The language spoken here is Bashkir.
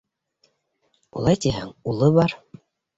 Улай тиһәң, улы бар.